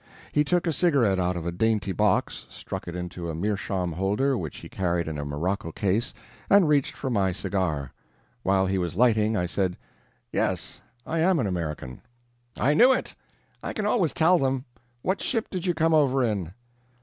He took a cigarette out of a dainty box, stuck it into a meerschaum holder which he carried in a morocco case, and reached for my cigar. While he was lighting, I said: "Yes I am an American." "I knew it I can always tell them. What ship did you come over in?"